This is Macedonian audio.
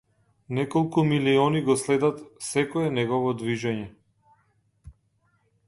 Неколку милиони го следат секое негово движење.